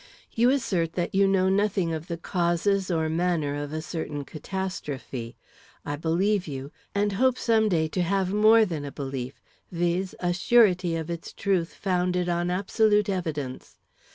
You assert that you know nothing of the causes or manner of a certain catastrophe. I believe you, and hope some day to have more than a belief, viz., a surety of its truth founded on absolute evidence.